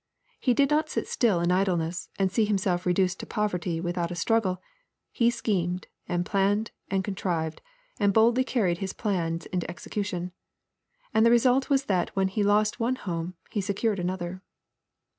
He did not sit still in idleness, and see himself reduced to poverty without a struggle. He schemed, and planned, and contrived, and boldly carried his plans into execution. And the result was that when he lost one home he secured another.